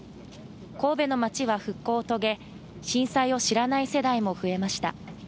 神戸の街は復興を遂げ震災を知らない世代も増えました。